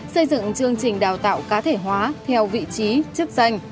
xây dựng chương trình đào tạo cá thể hóa theo vị trí chức danh